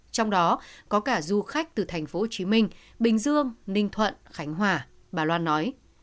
trong đó có cả du khách từ tp hcm bình dương ninh thuận khánh hòa bà loan nói